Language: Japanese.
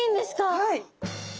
はい。